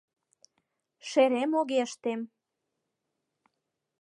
Шерем огеш тем.